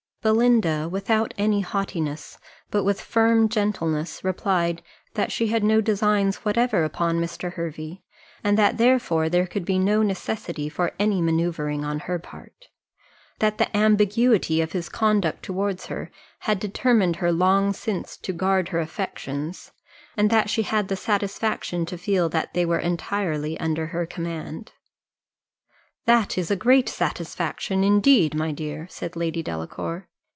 Belinda, without any haughtiness, but with firm gentleness, replied, that she had no designs whatever upon Mr. Hervey, and that therefore there could be no necessity for any manoeuvring on her part; that the ambiguity of his conduct towards her had determined her long since to guard her affections, and that she had the satisfaction to feel that they were entirely under her command. "That is a great satisfaction, indeed, my dear," said Lady Delacour.